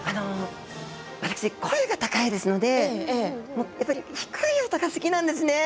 私、声が高いですので低い音が好きなんですね。